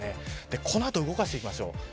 この後動かしていきます。